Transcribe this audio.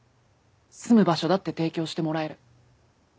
住む場所だって提供してもらえる。